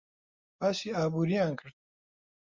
باسی ئابووریان کرد.